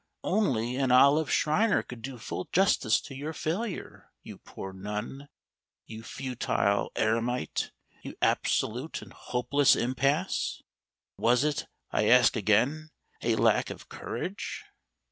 Only an Olive Schreiner could do full justice to your failure, you poor nun, you futile eremite, you absolute and hopeless impasse. Was it, I ask again, a lack of courage?